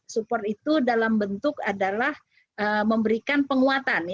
support itu dalam bentuk adalah memberikan penguatan